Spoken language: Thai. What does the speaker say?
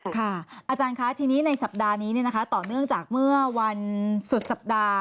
อาจารย์คะทีนี้ในสัปดาห์นี้ต่อเนื่องจากเมื่อวันสุดสัปดาห์